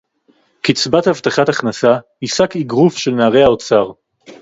קצבת הבטחת הכנסה היא שק איגרוף של נערי האוצר